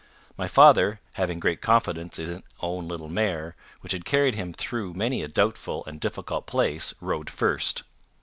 My father, having great confidence in his own little mare, which had carried him through many a doubtful and difficult place, rode first.